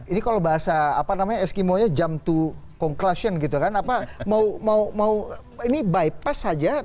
ini kalau bahasa apa namanya eskimo nya jump to conclusion gitu kan apa mau mau mau ini bypass saja